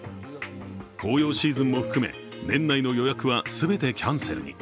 紅葉シーズンも含め、年内の予約は全てキャンセルに。